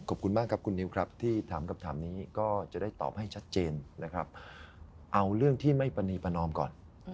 ขอบคุณมากครับคุณนิวครับที่ถามกับถามนี้ก็จะได้ตอบให้ชัดเจนนะครับเอาเรื่องที่ไม่ประนีประนอมก่อน